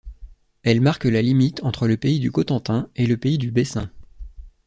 Elle marque la limite entre le pays du Cotentin et le pays du Bessin.